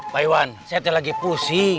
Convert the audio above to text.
hai theater lagi pusing